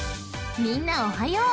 ［みんなおはよう！